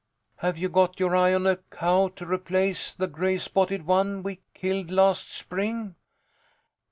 Have you got your eye on a cow to replace the greyspotted one we killed last spring?